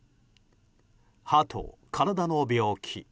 歯と、体の病気。